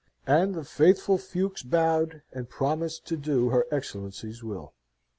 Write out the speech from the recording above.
And the faithful Fuchs bowed, and promised to do her Excellency's will.